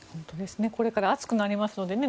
これから暑くなりますのでね。